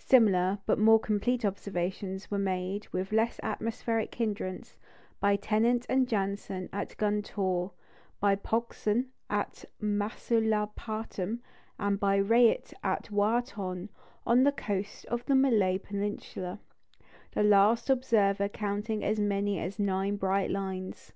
Similar, but more complete observations were made, with less atmospheric hindrance, by Tennant and Janssen at Guntoor, by Pogson at Masulipatam, and by Rayet at Wha Tonne, on the coast of the Malay peninsula, the last observer counting as many as nine bright lines.